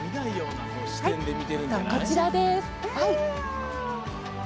こちらです。